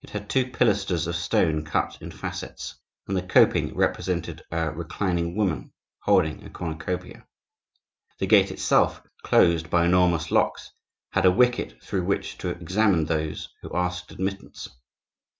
It had two pilasters of stone cut in facets, and the coping represented a reclining woman holding a cornucopia. The gate itself, closed by enormous locks, had a wicket through which to examine those who asked admittance.